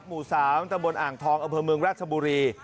หมู่สามตะบลอ่างทองอบภมรรณ์รัชบุรี